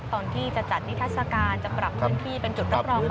ตอนที่จะจัดนิทัศกาลจะปรับพื้นที่เป็นจุดรับรอง